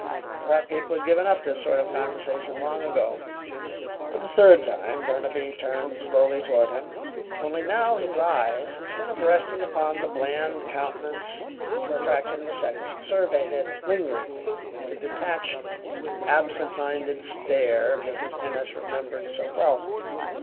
I thought people had given up this sort of conversation long ago." For the third time Burnaby turned slowly toward him, only now his eyes, instead of resting upon the bland countenance for a fraction of a second, surveyed it lingeringly with the detached, absent minded stare Mrs. Ennis remembered so well.